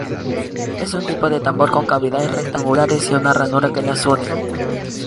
Es un tipo de tambor con cavidades rectangulares y una ranura que las une.